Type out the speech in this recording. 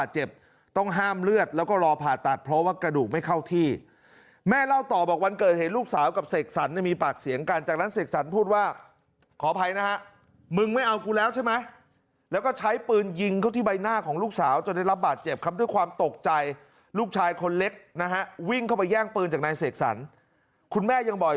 เจ็บต้องห้ามเลือดแล้วก็รอผ่าตัดเพราะว่ากระดูกไม่เข้าที่แม่เล่าต่อบอกวันเกิดเหตุลูกสาวกับเสกสรรเนี่ยมีปากเสียงกันจากนั้นเสกสรรพูดว่าขออภัยนะฮะมึงไม่เอากูแล้วใช่ไหมแล้วก็ใช้ปืนยิงเข้าที่ใบหน้าของลูกสาวจนได้รับบาดเจ็บครับด้วยความตกใจลูกชายคนเล็กนะฮะวิ่งเข้าไปแย่งปืนจากนายเสกสรรคุณแม่ยังบอก